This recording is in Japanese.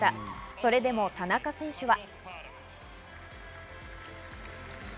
それでも田中選手は。